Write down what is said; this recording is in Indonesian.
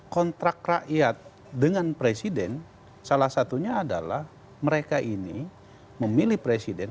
kontrak rakyat dengan presiden salah satunya adalah mereka ini memilih presiden